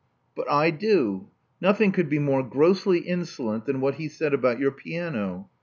'* But I do. Nothing could be more grossly insolent than what he said about your piano.